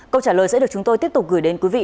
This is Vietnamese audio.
câu trả lời sẽ được chúng tôi tiếp tục gửi đến quý vị